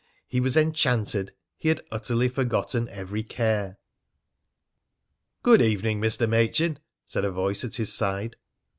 He was enchanted. He had utterly forgotten every care. "Good evening, Mr. Machin," said a voice at his side.